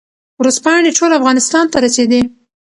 ورځپاڼې ټول افغانستان ته رسېدې.